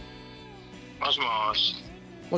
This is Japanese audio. もしもし？